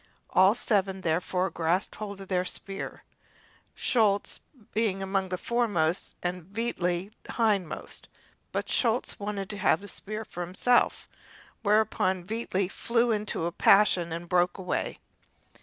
All seven, therefore, grasped hold of their spear, Schulz being among the foremost and Veitli hindmost. But Schulz wanted to have the spear himself, whereupon Veitli flew into a passion and broke away.